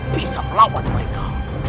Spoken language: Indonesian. bisa melawan mereka